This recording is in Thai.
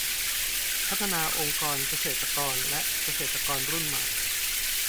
พัฒนาองค์กรเกษตรกรและเกษตรกรรุ่นใหม่